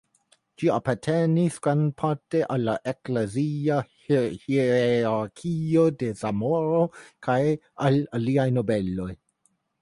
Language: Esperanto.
Ĝi apartenis grandparte al la eklezia hierarkio de Zamoro kaj al aliaj nobeloj.